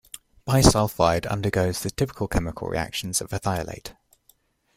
Bisulfide undergoes the typical chemical reactions of a thiolate.